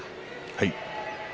はい。